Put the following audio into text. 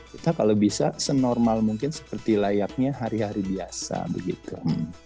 kita kalau bisa senormal mungkin seperti layaknya hari hari biasa begitu